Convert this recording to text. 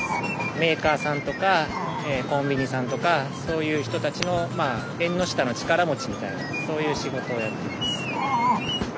メーカーさんとかコンビニさんとかそういう人たちの縁の下の力持ちみたいなそういう仕事をやってます。